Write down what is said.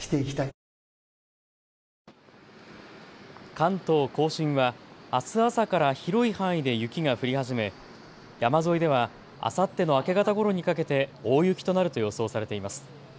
関東甲信はあす朝から広い範囲で雪が降り始め、山沿いではあさっての明け方ごろにかけて大雪となると予想されています。